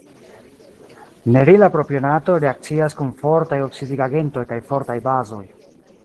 Nerila propionato reakcias kun fortaj oksidigagentoj kaj fortaj bazoj.